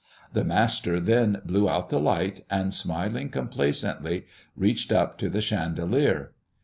The master then blew out the light, and smiling complacently, reached up to the chandelier.